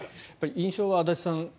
印象は足立さん